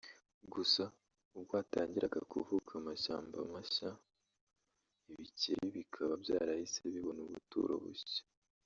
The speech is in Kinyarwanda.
gusa ubwo hatangiraga kuvuka amashyamba mashya ibikeri bikaba byarahise bibona ubuturo bushya